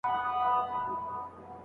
خاوند د ناخوښۍ سره سره ميرمن نه پريږدي.